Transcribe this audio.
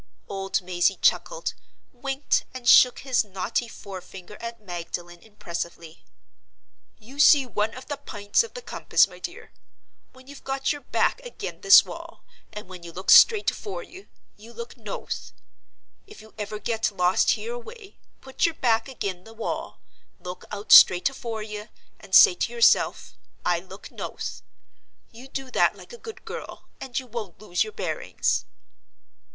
Old Mazey chuckled, winked, and shook his knotty forefinger at Magdalen, impressively. "You see one of the Pints of the Compass, my dear. When you've got your back ag'in this wall, and when you look straight afore you, you look Noathe. If you ever get lost hereaway, put your back ag'in the wall, look out straight afore you, and say to yourself: 'I look Noathe!' You do that like a good girl, and you won't lose your bearings."